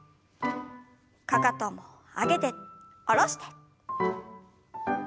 かかとも上げて下ろして。